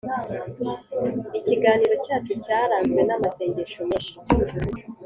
ikiganiro cyacu cyaranzwe n’amasengesho menshi